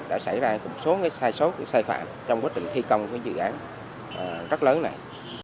đã xảy ra một số sai sót sai phạm trong quá trình thi công dự án rất lớn này